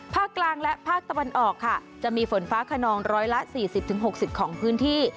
ภาคกลางและภาคตะวันออกค่ะจะมีฝนฟ้าขนองร้อยละ๔๐๖๐ของพื้นที่